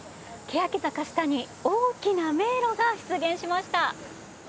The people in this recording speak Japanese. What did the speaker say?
けやか坂下に大きな迷路が出現しました。